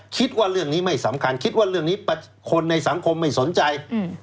คิดว่าเรื่องนี้ไม่สำคัญคิดว่าเรื่องนี้คนในสังคมไม่สนใจ